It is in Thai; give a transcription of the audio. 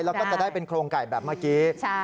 แล้วก็จะได้เป็นโครงไก่แบบเมื่อกี้